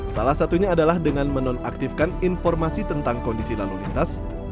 salah satunya adalah dengan menonaktifkan informasi tentang kondisi lalu lintas